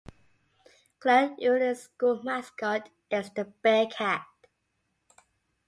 Glen Ullin's school mascot is the "Bearcat".